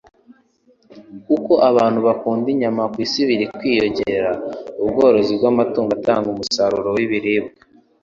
Uko abantu bakunda inyama ku isi biri kwiyongera, ubworozi bw'amatungo atanga umusaruro w'ibiribwa